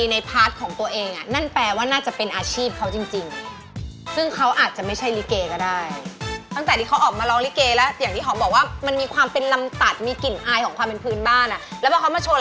น้องม่อนครับเชิญเลยครับนี่มาแล้ว